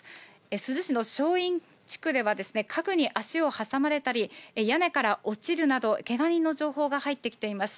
珠洲市の正院地区では家具に足を挟まれたり、屋根から落ちるなど、けが人の情報が入ってきています。。